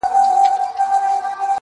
• دا مي سوگند دی.